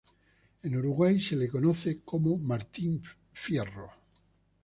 En Uruguay se lo conoce como Martín Fierro.